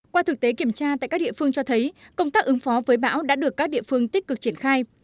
qua thực tế kiểm tra tại các địa phương cho thấy công tác ứng phó với bão đã được các địa phương tích cực triển khai